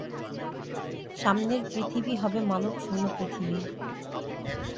সামনের পৃথিবী হবে মানবশূন্য পৃথিবী।